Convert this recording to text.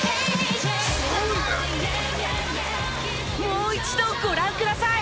もう一度ご覧ください。